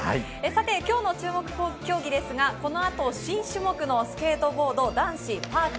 今日の注目競技ですが、この後、新種目のスケートボード男子パーク。